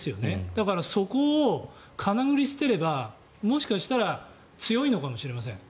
だから、そこをかなぐり捨てればもしかしたら強いのかもしれません。